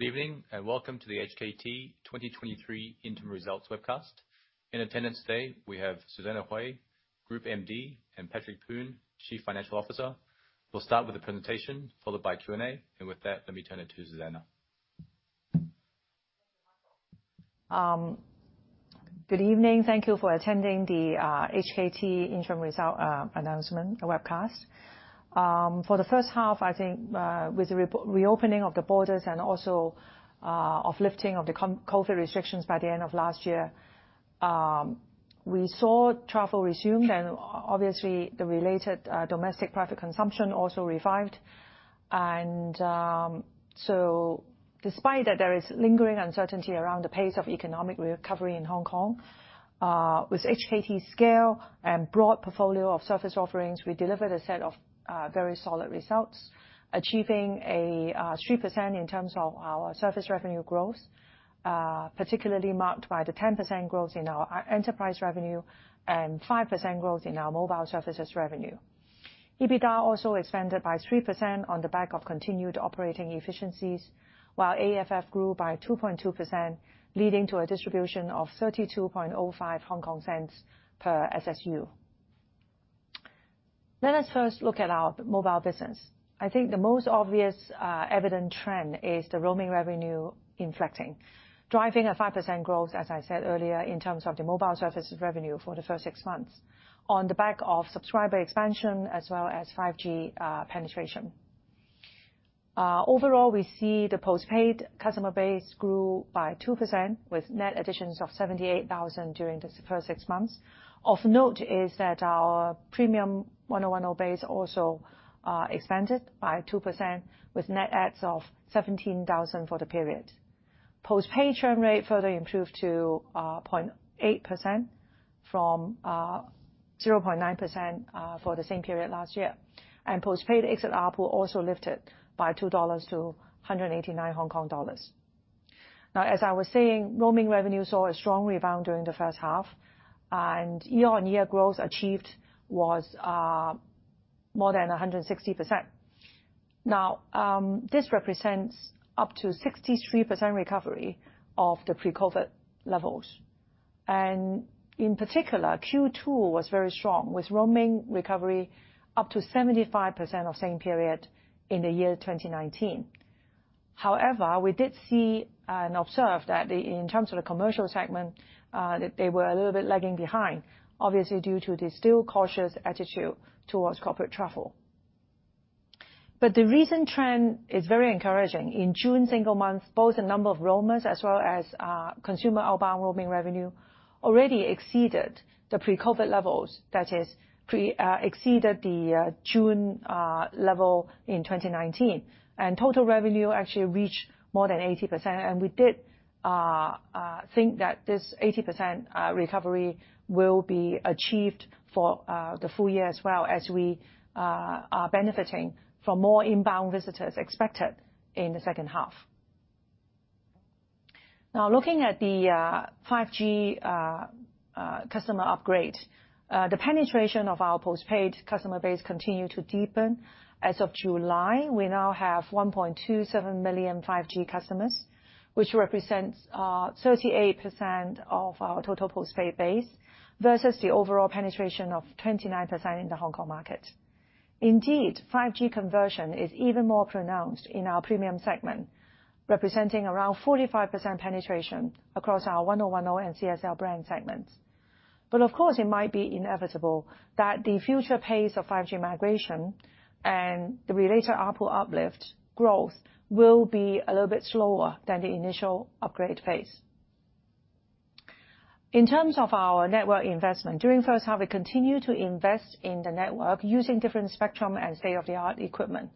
Good evening, and welcome to the HKT 2023 interim results webcast. In attendance today, we have Susanna Hui, Group MD, and Patrick Poon, Chief Financial Officer. We'll start with a presentation, followed by Q&A. With that, let me turn it to Susanna. Good evening. Thank you for attending the HKT interim result announcement webcast. For the first half, I think, with the reopening of the borders and also of lifting of the COVID restrictions by the end of last year, we saw travel resumed and obviously the related domestic private consumption also revived. Despite that there is lingering uncertainty around the pace of economic recovery in Hong Kong, with HKT's scale and broad portfolio of service offerings, we delivered a set of very solid results, achieving a 3% in terms of our service revenue growth, particularly marked by the 10% growth in our enterprise revenue and 5% growth in our mobile services revenue. EBITDA also expanded by 3% on the back of continued operating efficiencies, while AFF grew by 2.2%, leading to a distribution of 0.3205 per SSU. Let us first look at our mobile business. I think the most obvious evident trend is the roaming revenue inflecting, driving a 5% growth, as I said earlier, in terms of the mobile services revenue for the first six months, on the back of subscriber expansion as well as 5G penetration. Overall, we see the postpaid customer base grew by 2%, with net additions of 78,000 during the first six months. Of note is that our premium 1O1O base also expanded by 2%, with net adds of 17,000 for the period. Postpaid churn rate further improved to 0.8% from 0.9% for the same period last year. Postpaid exit ARPU also lifted by 2 dollars to 189 Hong Kong dollars. Now, as I was saying, roaming revenue saw a strong rebound during the first half, and year-on-year growth achieved was more than 160%. Now, this represents up to 63% recovery of the pre-COVID levels. In particular, Q2 was very strong, with roaming recovery up to 75% of same period in the year 2019. However, we did see and observe that the, in terms of the commercial segment, that they were a little bit lagging behind, obviously due to the still cautious attitude towards corporate travel. The recent trend is very encouraging. In June single month, both the number of roamers as well as consumer outbound roaming revenue already exceeded the pre-COVID levels. That is, exceeded the June level in 2019. Total revenue actually reached more than 80%, and we did think that this 80% recovery will be achieved for the full year as well, as we are benefiting from more inbound visitors expected in the second half. Now, looking at the 5G customer upgrade, the penetration of our Postpaid customer base continued to deepen. As of July, we now have 1.27 million 5G customers, which represents 38% of our total Postpaid base, versus the overall penetration of 29% in the Hong Kong market. Indeed, 5G conversion is even more pronounced in our premium segment, representing around 45% penetration across our 1O1O and CSL brand segments. Of course, it might be inevitable that the future pace of 5G migration and the related ARPU uplift growth will be a little bit slower than the initial upgrade phase. In terms of our network investment, during first half, we continued to invest in the network using different spectrum and state-of-the-art equipment.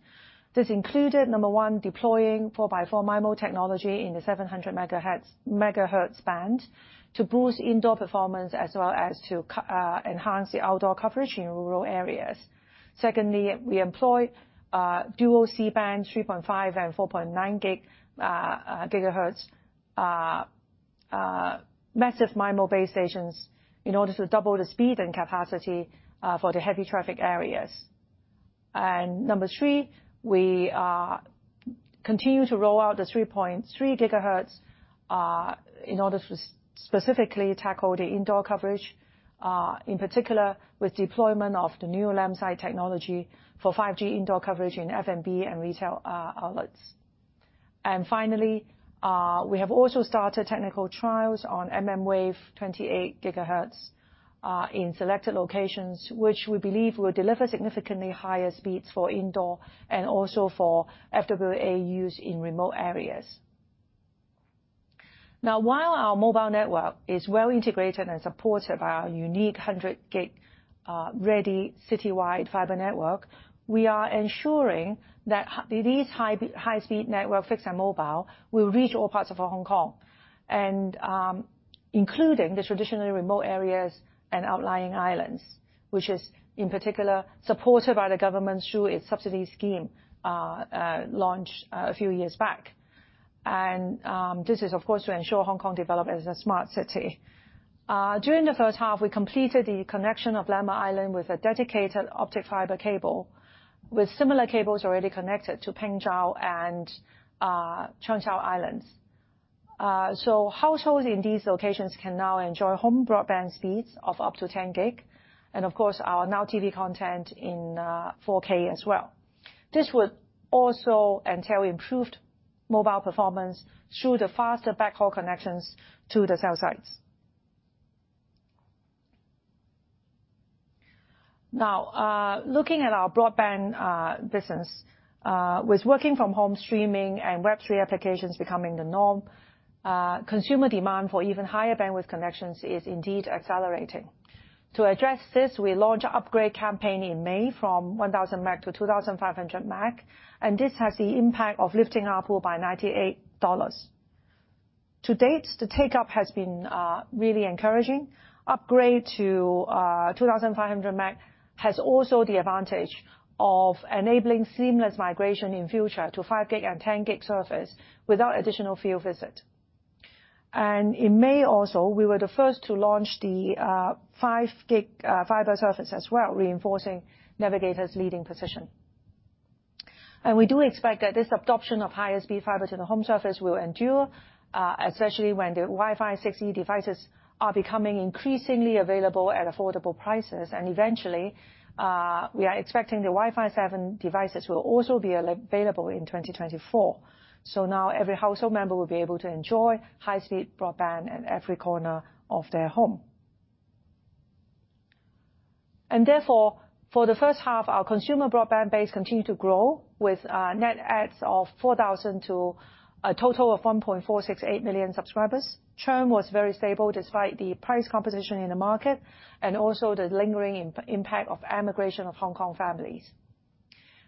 This included, number 1, deploying 4x4 MIMO technology in the 700 megahertz band to boost indoor performance, as well as to enhance the outdoor coverage in rural areas. Secondly, we employed dual C-band, 3.5 and 4.9 gigahertz massive MIMO base stations in order to double the speed and capacity for the heavy traffic areas. Number 3, we continued to roll out the 3.3 gigahertz in order to specifically tackle the indoor coverage, in particular with deployment of the new LampSite technology for 5G indoor coverage in F&B and retail outlets. Finally, we have also started technical trials on mmWave 28 gigahertz in selected locations, which we believe will deliver significantly higher speeds for indoor and also for FWA use in remote areas. While our mobile network is well integrated and supported by our unique 100 gig ready citywide fiber network, we are ensuring that these high-speed network, fixed and mobile, will reach all parts of Hong Kong, and including the traditionally remote areas and outlying islands, which is, in particular, supported by the government through its subsidy scheme launched a few years back. This is, of course, to ensure Hong Kong develop as a smart city. During the first half, we completed the connection of Lamma Island with a dedicated optic fiber cable, with similar cables already connected to Peng Chau and Cheung Chau Islands. Households in these locations can now enjoy home broadband speeds of up to 10 gig, and of course, our Now TV content in 4K as well. This would also entail improved mobile performance through the faster backhaul connections to the cell sites. Looking at our broadband business, with working from home streaming and Web3 applications becoming the norm, consumer demand for even higher bandwidth connections is indeed accelerating. To address this, we launched an upgrade campaign in May from 1,000 meg to 2,500 meg, and this has the impact of lifting ARPU by 98 dollars. To date, the take-up has been really encouraging. Upgrade to 2,500 meg has also the advantage of enabling seamless migration in future to 5 gig and 10 gig service without additional field visit. In May also, we were the first to launch the 5 gig fiber service as well, reinforcing NETVIGATOR leading position. We do expect that this adoption of higher speed fiber to the home service will endure, especially when the Wi-Fi 6E devices are becoming increasingly available at affordable prices. Eventually, we are expecting the Wi-Fi 7 devices will also be available in 2024. Now every household member will be able to enjoy high-speed broadband in every corner of their home. Therefore, for the first half, our consumer broadband base continued to grow with net adds of 4,000 to a total of 1.468 million subscribers. Churn was very stable despite the price competition in the market and also the lingering impact of emigration of Hong Kong families.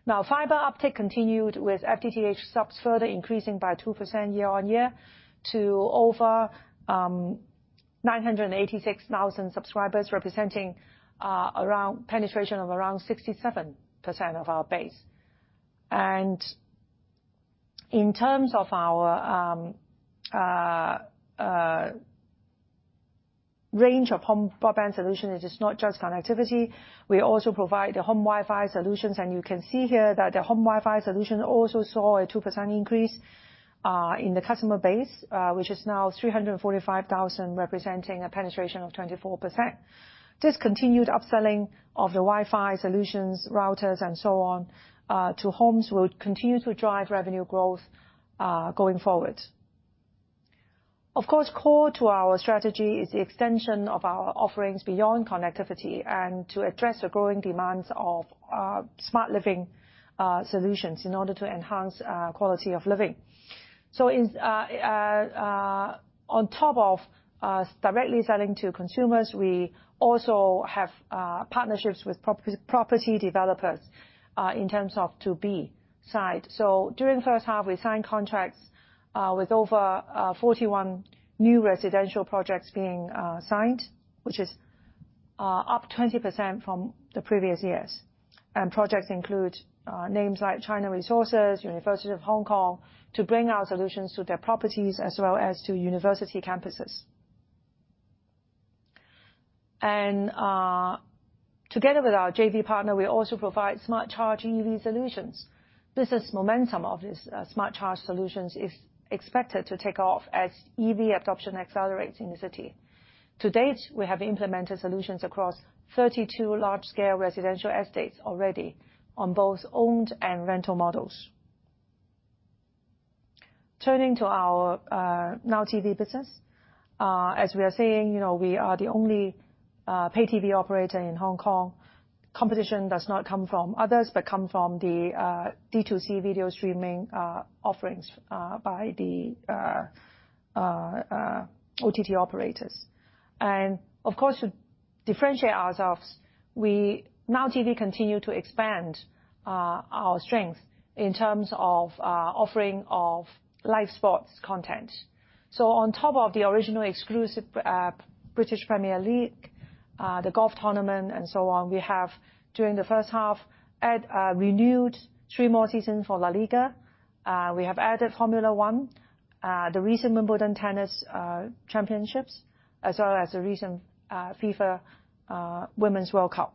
Now, fiber uptick continued, with FTTH subs further increasing by 2% year-on-year to over 986,000 subscribers, representing penetration of around 67% of our base. In terms of our range of home broadband solution, it is not just connectivity. We also provide the home Wi-Fi solutions, and you can see here that the home Wi-Fi solution also saw a 2% increase in the customer base, which is now 345,000, representing a penetration of 24%. This continued upselling of the Wi-Fi solutions, routers and so on, to homes will continue to drive revenue growth going forward. Of course, core to our strategy is the extension of our offerings beyond connectivity and to address the growing demands of smart living solutions in order to enhance quality of living. In on top of directly selling to consumers, we also have partnerships with property developers in terms of to B side. During the first half, we signed contracts with over 41 new residential projects being signed, which is up 20% from the previous years. Projects include names like China Resources, University of Hong Kong, to bring our solutions to their properties as well as to university campuses. Together with our JV partner, we also provide Smart Charge EV solutions. Business momentum of this Smart Charge solutions is expected to take off as EV adoption accelerates in the city. To date, we have implemented solutions across 32 large-scale residential estates already on both owned and rental models. To our Now TV business. As we are saying, you know, we are the only pay TV operator in Hong Kong. Competition does not come from others, but come from the D2C video streaming offerings by the OTT operators. Of course, to differentiate ourselves, we Now TV continue to expand our strength in terms of offering of live sports content. On top of the original exclusive British Premier League, the golf tournament and so on, we have, during the first half, add renewed 3 more seasons for La Liga. We have added Formula One, the recent Wimbledon Tennis Championships, as well as the recent FIFA Women's World Cup.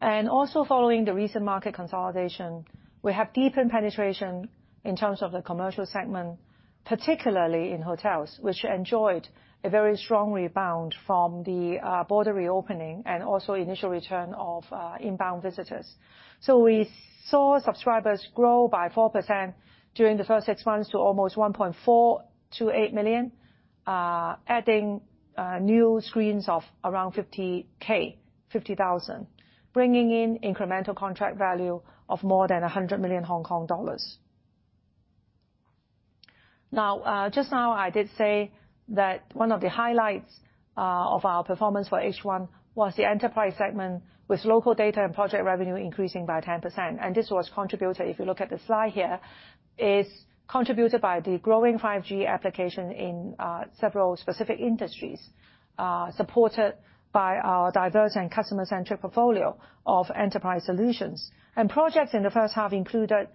Also, following the recent market consolidation, we have deepened penetration in terms of the commercial segment, particularly in hotels, which enjoyed a very strong rebound from the border reopening and also initial return of inbound visitors. we saw subscribers grow by 4% during the first 6 months to almost 1.48 million, adding new screens of around 50K, 50,000, bringing in incremental contract value of more than 100 million Hong Kong dollars. Just now, I did say that one of the highlights of our performance for H1 was the enterprise segment, with local data and project revenue increasing by 10%, and this was contributed, if you look at the slide here, is contributed by the growing 5G application in several specific industries, supported by our diverse and customer-centric portfolio of enterprise solutions. Projects in the first half included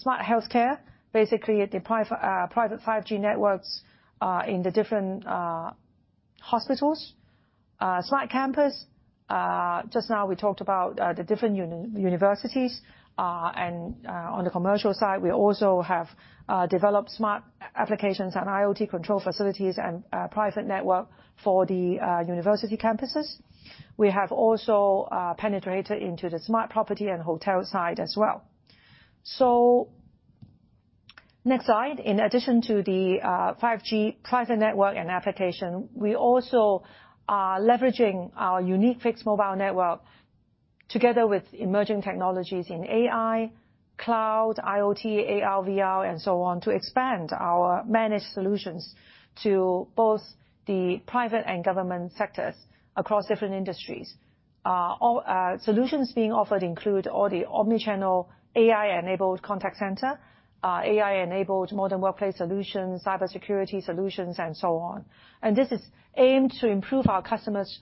smart healthcare, basically the private 5G networks in the different hospitals.... smart campus, just now we talked about the different universities. On the commercial side, we also have developed smart applications and IoT control facilities and private network for the university campuses. We have also penetrated into the smart property and hotel side as well. Next slide. In addition to the 5G private network and application, we also are leveraging our unique fixed mobile network together with emerging technologies in AI, cloud, IoT, AR/VR, and so on, to expand our managed solutions to both the private and government sectors across different industries. All solutions being offered include all the omni-channel AI-enabled contact center, AI-enabled modern workplace solutions, cybersecurity solutions, and so on. This is aimed to improve our customers'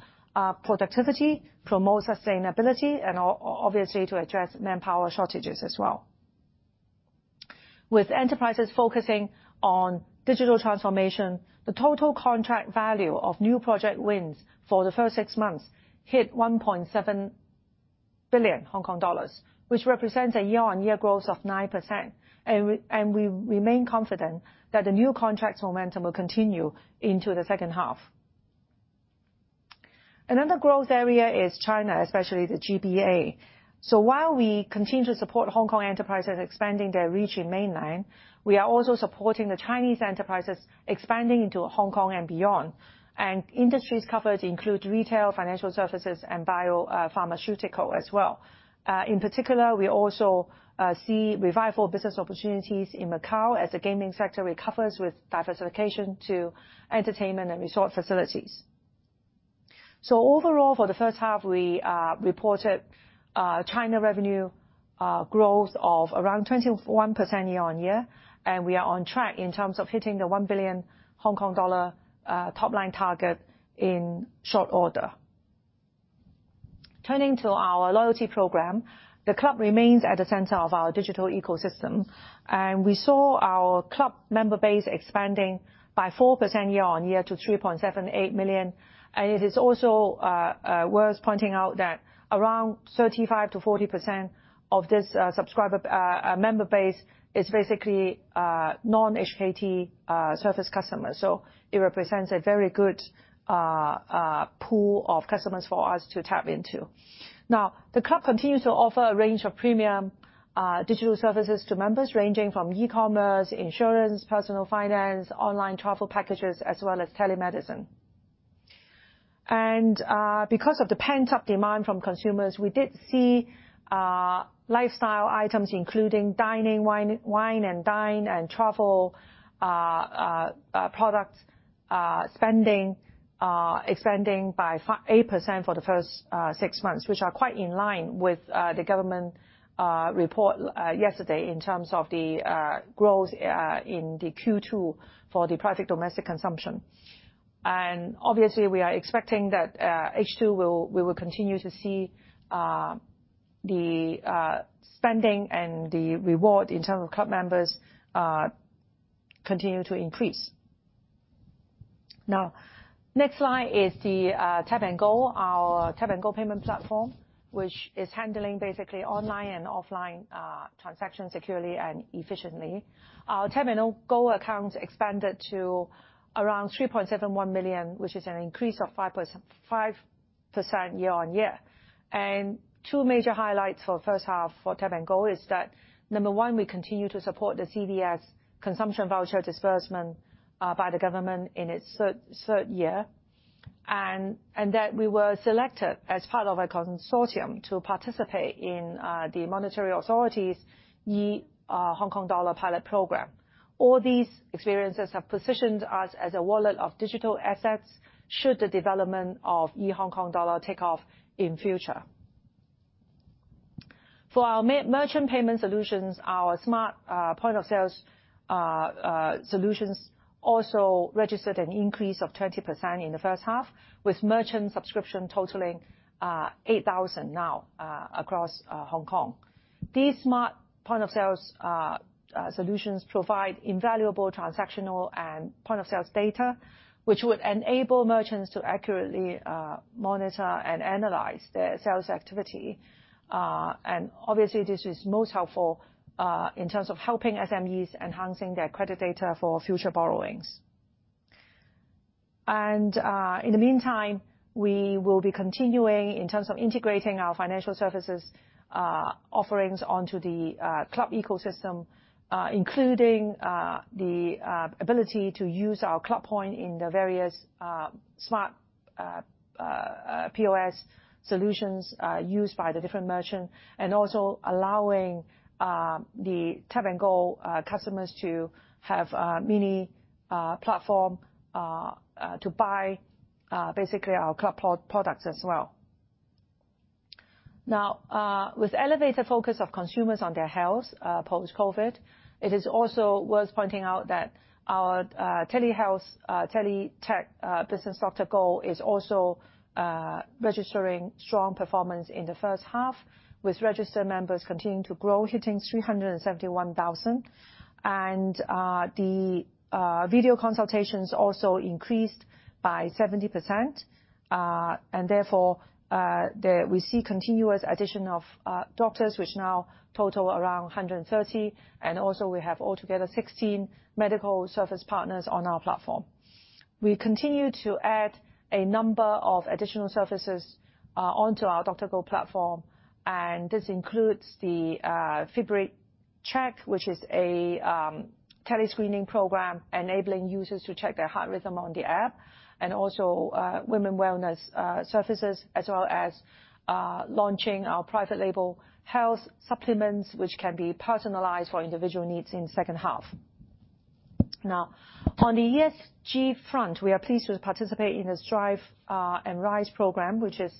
productivity, promote sustainability, and obviously, to address manpower shortages as well. With enterprises focusing on digital transformation, the total contract value of new project wins for the first 6 months hit HK$1.7 billion, which represents a year-on-year growth of 9%. We remain confident that the new contracts momentum will continue into the second half. Another growth area is China, especially the GBA. While we continue to support Hong Kong enterprises expanding their reach in mainland, we are also supporting the Chinese enterprises expanding into Hong Kong and beyond. Industries covered include retail, financial services, and biopharmaceutical as well. In particular, we also see revival business opportunities in Macau as the gaming sector recovers with diversification to entertainment and resort facilities. Overall, for the first half, we reported China revenue growth of around 21% year-on-year, and we are on track in terms of hitting the HK$1 billion top line target in short order. Turning to our loyalty program, The Club remains at the center of our digital ecosystem, and we saw our Club member base expanding by 4% year-on-year to 3.78 million. It is also worth pointing out that around 35%-40% of this subscriber member base is basically non-HKT service customers, so it represents a very good pool of customers for us to tap into. The Club continues to offer a range of premium digital services to members, ranging from e-commerce, insurance, personal finance, online travel packages, as well as telemedicine. Because of the pent-up demand from consumers, we did see lifestyle items, including dining, wine, wine and dine and travel products spending expanding by 8% for the first 6 months, which are quite in line with the government report yesterday in terms of the growth in the Q2 for the private domestic consumption. Obviously, we are expecting that H2 we will continue to see the spending and the reward in terms of Club members continue to increase. Next slide is the Tap & Go, our Tap & Go payment platform, which is handling basically online and offline transactions securely and efficiently. Our Tap & Go accounts expanded to around 3.71 million, which is an increase of 5% year-on-year. 2 major highlights for first half for Tap & Go is that, number 1, we continue to support the CVS, Consumption Voucher Scheme, by the government in its third year, that we were selected as part of a consortium to participate in the Hong Kong Monetary Authority's e-HKD pilot program. All these experiences have positioned us as a wallet of digital assets, should the development of e-HKD take off in future. For our merchant payment solutions, our smart POS solutions also registered an increase of 20% in the first half, with merchant subscription totaling 8,000 across Hong Kong. These smart POS solutions provide invaluable transactional and POS data, which would enable merchants to accurately monitor and analyze their sales activity. And obviously, this is most helpful in terms of helping SMEs enhancing their credit data for future borrowings. And in the meantime, we will be continuing, in terms of integrating our financial services offerings onto The Club ecosystem, including the ability to use our Club point in the various smart POS solutions used by the different merchant, and also allowing the Tap & Go customers to have mini platform to buy basically our Club products as well. Now, with elevated focus of consumers on their health, post-COVID, it is also worth pointing out that our telehealth, teletech business, DrGo, is also registering strong performance in the first half, with registered members continuing to grow, hitting 371,000. The video consultations also increased by 70%. Therefore, we see continuous addition of doctors, which now total around 130, and also we have altogether 16 medical service partners on our platform. We continue to add a number of additional services onto our DrGo platform, and this includes the FibriCheck, which is a tele-screening program, enabling users to check their heart rhythm on the app, and also women wellness services, as well as launching our private label health supplements, which can be personalized for individual needs in second half. Now, on the ESG front, we are pleased to participate in the Strive and Rise Programme, which is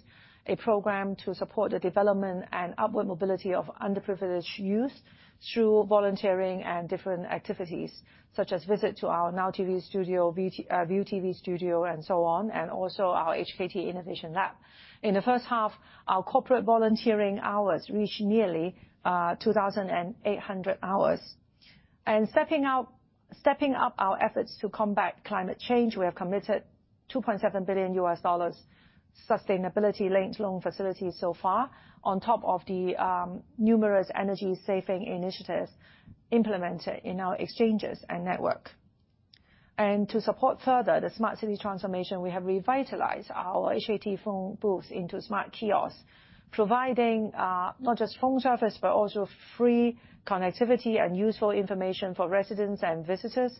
a program to support the development and upward mobility of underprivileged youth through volunteering and different activities, such as visit to our Now TV studio, ViuTV studio, and so on, and also our HKT Innovation Lab. In the first half, our corporate volunteering hours reached nearly 2,800 hours. Stepping up our efforts to combat climate change, we have committed $2.7 billion sustainability-linked loan facilities so far, on top of the numerous energy-saving initiatives implemented in our exchanges and network. To support further the smart city transformation, we have revitalized our HKT phone booths into Smart Kiosks, providing, not just phone service, but also free connectivity and useful information for residents and visitors,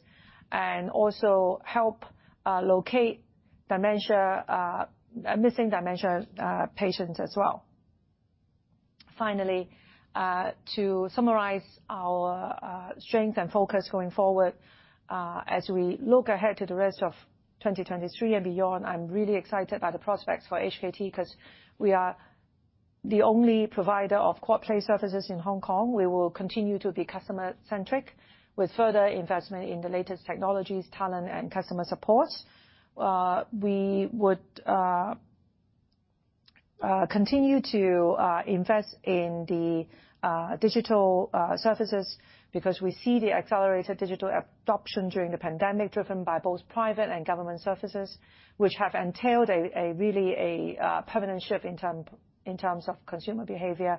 and also help locate dementia, missing dementia, patients as well. Finally, to summarize our strength and focus going forward, as we look ahead to the rest of 2023 and beyond, I'm really excited by the prospects for HKT, 'cause we are the only provider of quad play services in Hong Kong. We will continue to be customer-centric with further investment in the latest technologies, talent, and customer support. Discussing the importance of investing in digital services, citing the accelerated digital adoption during the pandemic as a permanent shift in consumer behavior.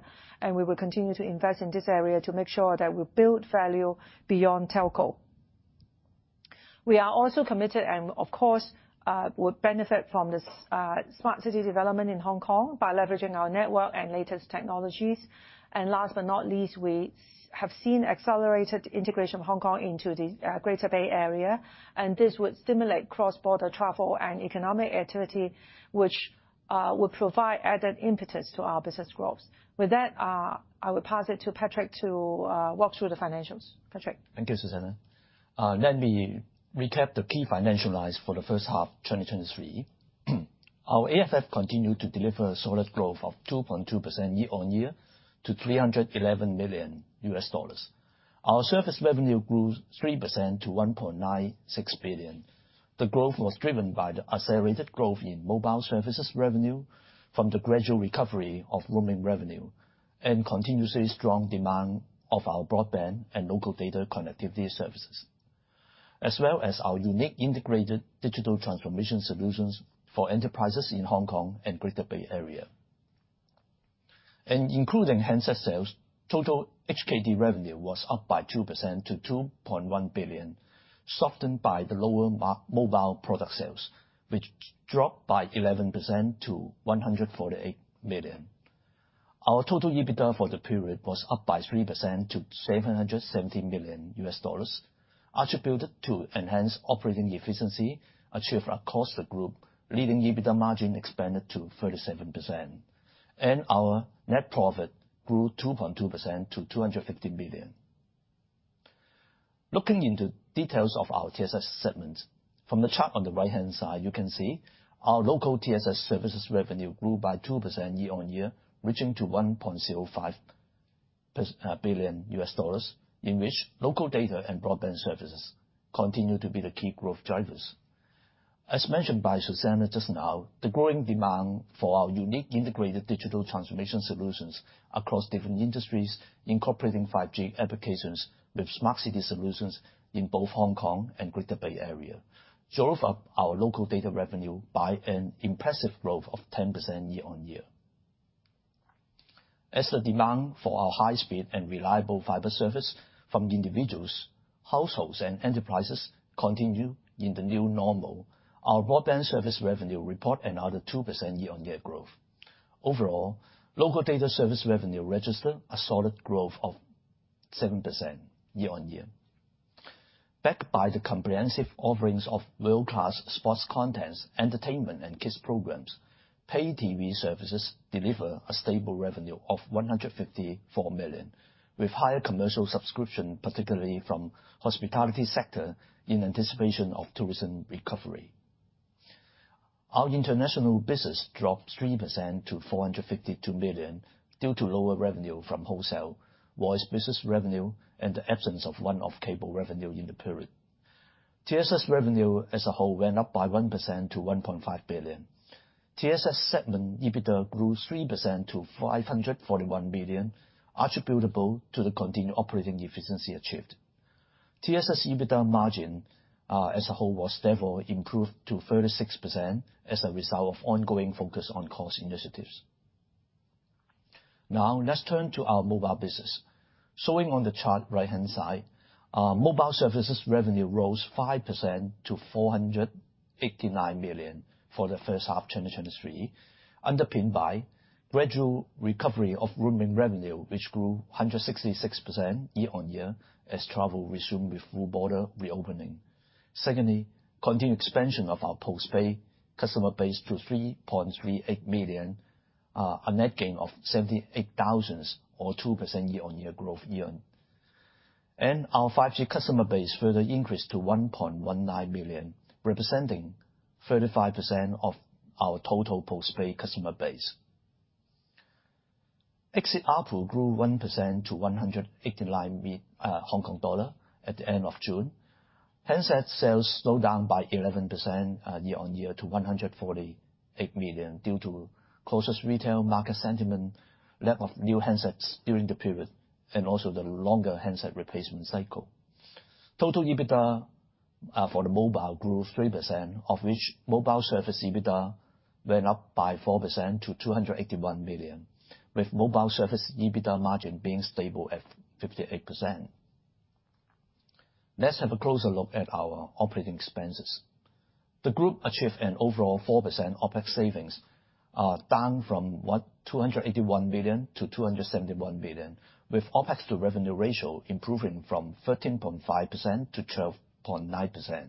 They also mention their commitment to smart city development in Hong Kong, leveraging their network and technologies. Finally, they highlight the accelerated integration of Hong Kong into the Greater Bay Area, expecting it to boost cross-border travel and economic activity, thus providing impetus to their business growth. The speaker then passes the presentation to Patrick for the financial review Thank you, Susanna. Let me recap the key financial lines for the first half 2023. Our AFF continued to deliver solid growth of 2.2% year-on-year to $311 million. Our service revenue grew 3% to 1.96 billion. The growth was driven by the accelerated growth in mobile services revenue from the gradual recovery of roaming revenue, and continuously strong demand of our broadband and local data connectivity services, as well as our unique integrated digital transformation solutions for enterprises in Hong Kong and Greater Bay Area. Including handset sales, total HKD revenue was up by 2% to 2.1 billion, softened by the lower mobile product sales, which dropped by 11% to 148 million. Our total EBITDA for the period was up by 3% to $770 million, attributed to enhanced operating efficiency achieved across the group, leading EBITDA margin expanded to 37%. Our net profit grew 2.2% to $250 million. Looking into details of our TSS segment, from the chart on the right-hand side, you can see our local TSS services revenue grew by 2% year-on-year, reaching $1.05 billion, in which local data and broadband services continue to be the key growth drivers. As mentioned by Susanna just now, the growing demand for our unique integrated digital transformation solutions across different industries, incorporating 5G applications with smart city solutions in both Hong Kong and Greater Bay Area, drove up our local data revenue by an impressive growth of 10% year-on-year. As the demand for our high-speed and reliable fiber service from individuals, households, and enterprises continue in the new normal, our broadband service revenue report another 2% year-on-year growth. Overall, local data service revenue registered a solid growth of 7% year-on-year. Backed by the comprehensive offerings of world-class sports contents, entertainment, and kids programs, paid TV services deliver a stable revenue of 154 million, with higher commercial subscription, particularly from hospitality sector, in anticipation of tourism recovery. Our international business dropped 3% to 452 million due to lower revenue from wholesale, voice business revenue, and the absence of one-off cable revenue in the period. TSS revenue as a whole went up by 1% to 1.5 billion. TSS segment EBITDA grew 3% to 541 million, attributable to the continued operating efficiency achieved. TSS EBITDA margin, as a whole, was therefore improved to 36% as a result of ongoing focus on cost initiatives. Let's turn to our mobile business. Showing on the chart right-hand side, our mobile services revenue rose 5% to 489 million for the first half 2023, underpinned by gradual recovery of roaming revenue, which grew 166% year-on-year, as travel resumed with full border reopening. Continued expansion of our post-pay customer base to 3.38 million, a net gain of 78,000, or 2% year-on-year growth year. Our 5G customer base further increased to 1.19 million, representing 35% of our total post-pay customer base. Exit ARPU grew 1% to 189 Hong Kong dollar at the end of June. Handset sales slowed down by 11% year-on-year, to 148 million, due to cautious retail market sentiment, lack of new handsets during the period, and also the longer handset replacement cycle. Total EBITDA for the mobile grew 3%, of which mobile service EBITDA went up by 4% to 281 million, with mobile service EBITDA margin being stable at 58%. Let's have a closer look at our OpEx. The group achieved an overall 4% OpEx savings, down from 281 billion to 271 billion, with OpEx-to-revenue ratio improving from 13.5% to 12.9%,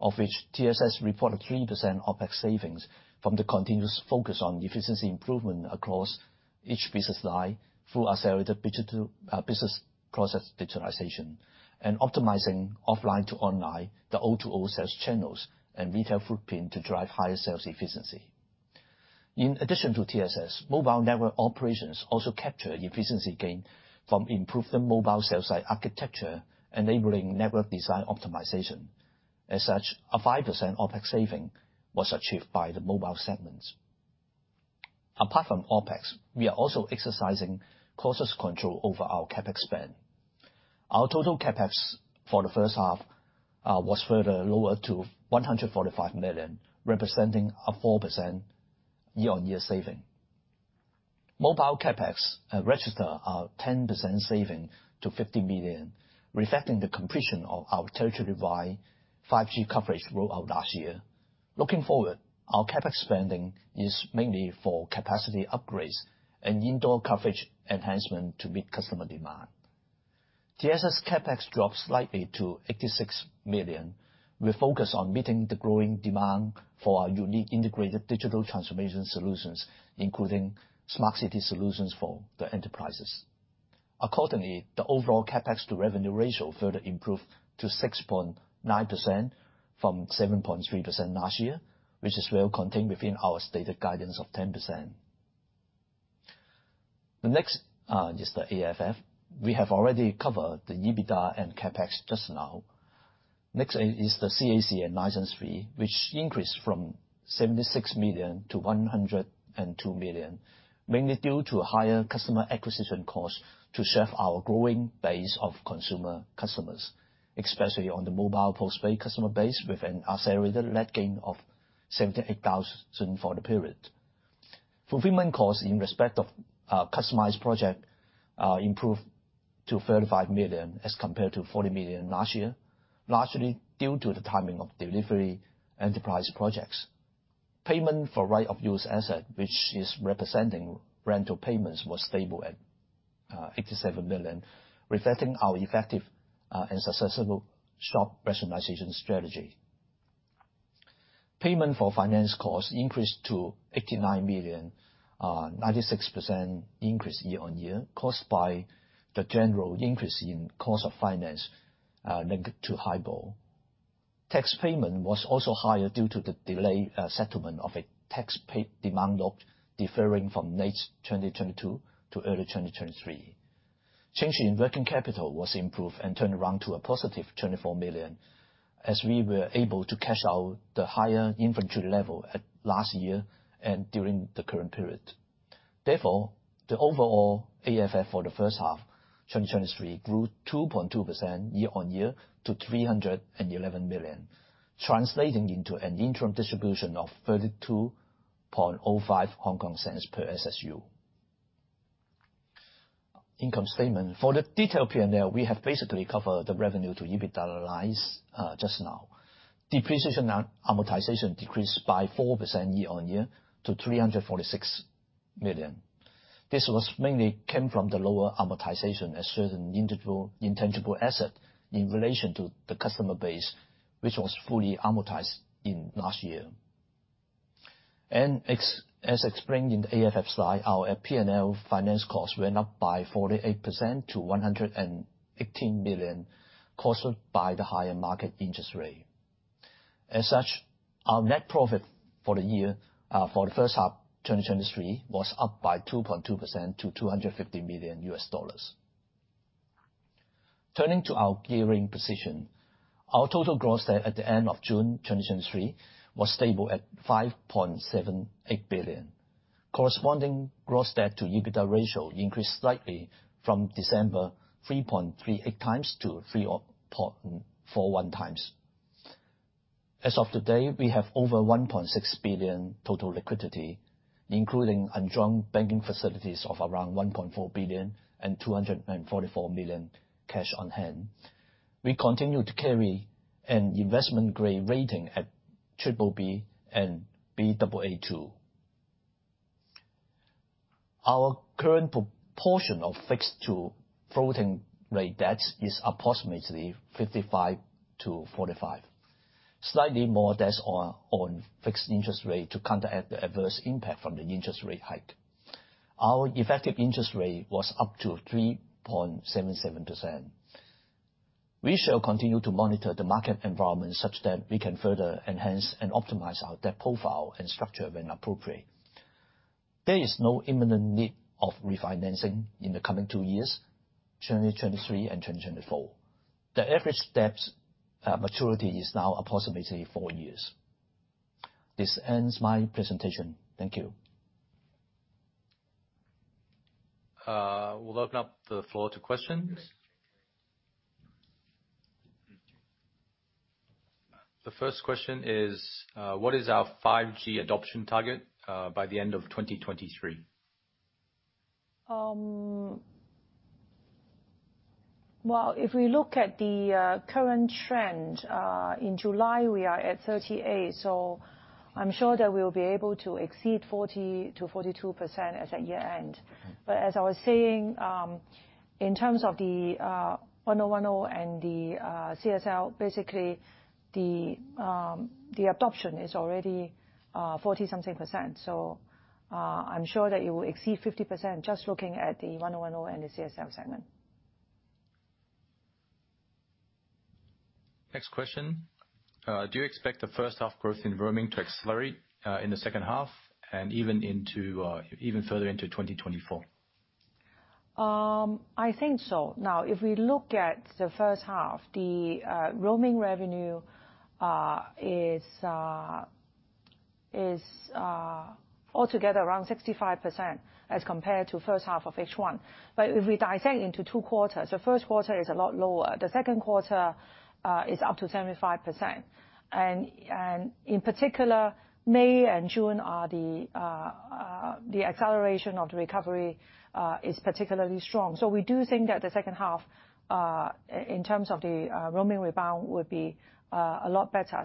of which TSS reported 3% OpEx savings from the continuous focus on efficiency improvement across each business line through accelerated digital business process digitalization, and optimizing offline to online, the O2O sales channels and retail footprint to drive higher sales efficiency. In addition to TSS, mobile network operations also capture efficiency gain from improved mobile sales site architecture, enabling network design optimization. As such, a 5% OpEx saving was achieved by the mobile segment. Apart from OpEx, we are also exercising cautious control over our CapEx spend. Our total CapEx for the first half was further lowered to 145 million, representing a 4% year-on-year saving. Mobile CapEx register a 10% saving to 50 million, reflecting the completion of our territory-wide 5G coverage rollout last year. Looking forward, our CapEx spending is mainly for capacity upgrades and indoor coverage enhancement to meet customer demand. TSS CapEx dropped slightly to 86 million. We focus on meeting the growing demand for our unique integrated digital transformation solutions, including smart city solutions for the enterprises. Accordingly, the overall CapEx-to-revenue ratio further improved to 6.9% from 7.3% last year, which is well contained within our stated guidance of 10%. The next is the AFF. We have already covered the EBITDA and CapEx just now. Next is the CAC and license fee, which increased from 76 million to 102 million, mainly due to higher customer acquisition costs to serve our growing base of consumer customers, especially on the mobile post-pay customer base, with an accelerated net gain of 78,000 for the period. Fulfillment costs in respect of customized project improved to 35 million as compared to 40 million last year, largely due to the timing of delivery enterprise projects. Payment for right of use asset, which is representing rental payments, was stable at 87 million, reflecting our effective and successful shop rationalization strategy. Payment for finance costs increased to 89 million, a 96% increase year-on-year, caused by the general increase in cost of finance linked to HIBOR. Tax payment was also higher due to the delayed settlement of a tax demand note, deferring from late 2022 to early 2023. Change in working capital was improved and turned around to a positive 24 million, as we were able to cash out the higher inventory level at last year and during the current period. The overall AFF for the first half, 2023, grew 2.2% year-on-year to 311 million, translating into an interim distribution of 0.3205 per SSU. Income statement. For the detailed P&L, we have basically covered the revenue to EBITDA lines just now. Depreciation and amortization decreased by 4% year-on-year to 346 million. This was mainly came from the lower amortization as certain intangible asset in relation to the customer base, which was fully amortized in last year. As explained in the AFF slide, our P&L finance costs went up by 48% to $118 million, caused by the higher market interest rate. As such, our net profit for the first half 2023, was up by 2.2% to $250 million. Turning to our gearing position, our total gross debt at the end of June 2023, was stable at $5.78 billion. Corresponding gross debt to EBITDA ratio increased slightly from December, 3.38 times to 3.41 times. As of today, we have over 1.6 billion total liquidity, including undrawn banking facilities of around 1.4 billion and 244 million cash on hand. We continue to carry an investment-grade rating at BBB and Baa2. Our current proportion of fixed to floating rate debts is approximately 55-45. Slightly more debts are on fixed interest rate to counteract the adverse impact from the interest rate hike. Our effective interest rate was up to 3.77%. We shall continue to monitor the market environment such that we can further enhance and optimize our debt profile and structure when appropriate. There is no imminent need of refinancing in the coming 2 years, 2023 and 2024. The average debts maturity is now approximately 4 years. This ends my presentation. Thank you. We'll open up the floor to questions. The first question is, what is our 5G adoption target by the end of 2023? Well, if we look at the current trend, in July, we are at 38, so I'm sure that we'll be able to exceed 40%-42% as at year-end. As I was saying, in terms of the 1O1O and the CSL, basically, the adoption is already 40-something%. I'm sure that it will exceed 50%, just looking at the 1O1O and the CSL segment. Next question. Do you expect the first half growth in roaming to accelerate, in the second half and even into, even further into 2024? I think so. If we look at the first half, the roaming revenue is altogether around 65% as compared to first half of H1. If we dissect into two quarters, the first quarter is a lot lower. The second quarter is up to 75%. In particular, May and June are the acceleration of the recovery is particularly strong. We do think that the second half, in terms of the roaming rebound, would be a lot better.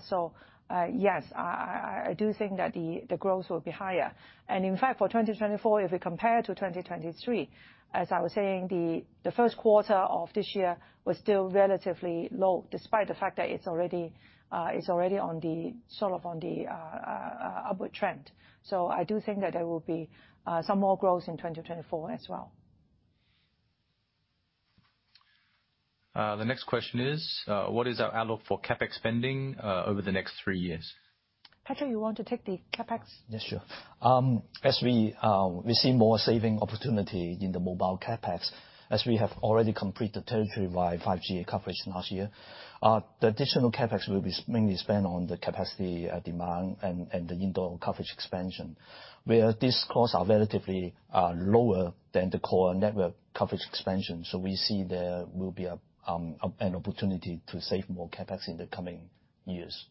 Yes, I, I, I do think that the growth will be higher. In fact, for 2024, if we compare to 2023, as I was saying, the, the first quarter of this year was still relatively low, despite the fact that it's already, it's already on the upward trend. I do think that there will be some more growth in 2024 as well. The next question is, what is our outlook for CapEx spending, over the next three years? Patrick, you want to take the CapEx? Yes, sure. As we, we see more saving opportunity in the mobile CapEx, as we have already completed territory-wide 5G coverage last year, the additional CapEx will be mainly spent on the capacity, demand and, and the indoor coverage expansion, where these costs are relatively, lower than the core network coverage expansion. We see there will be a, an opportunity to save more CapEx in the coming years.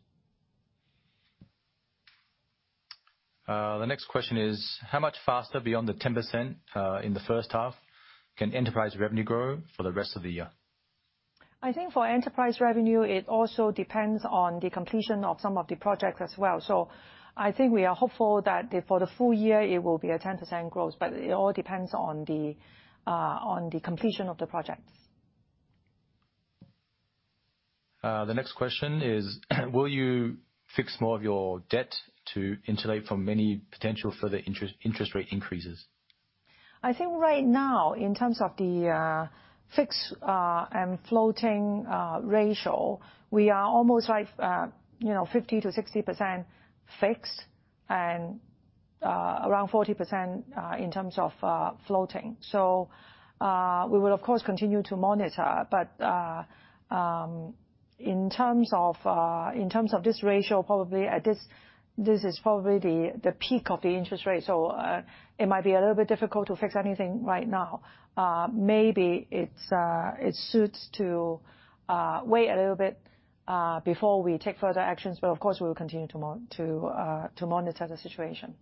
The next question is, how much faster beyond the 10%, in the first half, can enterprise revenue grow for the rest of the year? I think for enterprise revenue, it also depends on the completion of some of the projects as well. I think we are hopeful that for the full year, it will be a 10% growth, but it all depends on the completion of the project. The next question is, will you fix more of your debt to insulate from any potential further interest, interest rate increases? I think right now, in terms of the fixed and floating ratio, we are almost like, you know, 50%-60% fixed and around 40% in terms of floating. We will, of course, continue to monitor, but in terms of in terms of this ratio, probably at this, this is probably the peak of the interest rate, so it might be a little bit difficult to fix anything right now. Maybe it's it suits to wait a little bit before we take further actions, but of course, we will continue to monitor the situation.